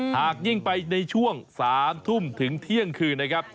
หากยิ่งไปในช่วง๓ทุ่มถึงเที่ยงคืนนะครับ